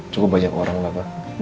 cukup banyak orang lah pak